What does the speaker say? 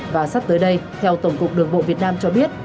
và sắp tới đây theo tổng cục đường bộ việt nam cho biết